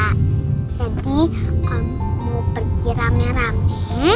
nanti kalau mau pergi rame rame